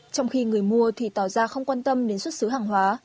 trong khi người mua thì tỏ ra không quan tâm đến xuất xứ hàng hóa